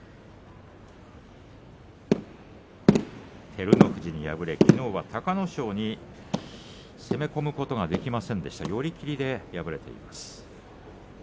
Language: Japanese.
照ノ富士に敗れきのうは隆の勝に攻め込むことができず寄り切りで敗れています。